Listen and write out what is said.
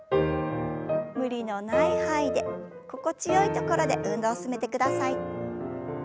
無理のない範囲で心地よいところで運動を進めてください。